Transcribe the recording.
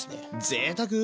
ぜいたく！